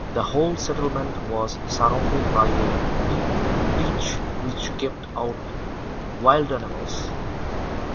The whole settlement was surrounded by a deep ditch which kept out wild animals.